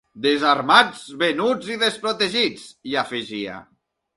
“Desarmats, venuts i desprotegits”, hi afegia.